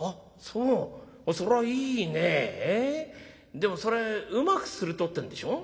でもそれうまくするとってんでしょ。